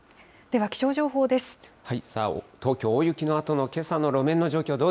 さあ、東京、大雪のあとのけさの路面の状況